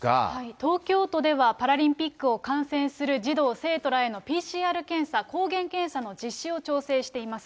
東京都では、パラリンピックを観戦する児童・生徒らへのＰＣＲ検査、抗原検査の実施を調整しています。